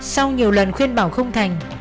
sau nhiều lần khuyên bảo không thành